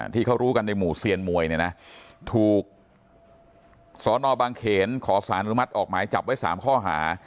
ที่เขารู้กันในหมู่เซียนมวยเนี่ยนะถูกสนบางเขนขอสารอนุมัติออกหมายจับไว้๓ข้อหา